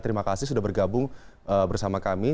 terima kasih sudah bergabung bersama kami